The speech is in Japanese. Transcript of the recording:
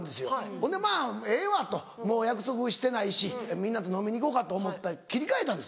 ほんでまぁええわともう約束してないしみんなと飲みに行こうかと思って切り替えたんですよ。